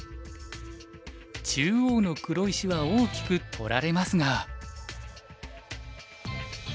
中央の黒石は大きく取られますが。